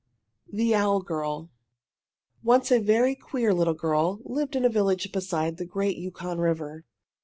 THE OWL GIRL Once a very queer little girl lived in a village beside the great Yukon River.